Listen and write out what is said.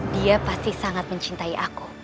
dia pasti sangat mencintai aku